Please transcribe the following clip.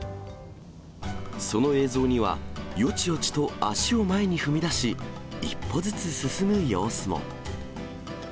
その映像には、よちよちと足を前に踏み出し、一歩ずつ進む様子も。